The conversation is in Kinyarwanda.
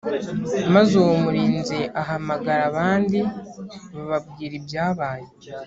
maze uwo murinzi ahamagara abandi bababwira ibyabaye